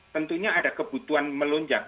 tentunya ada kebutuhan melonjak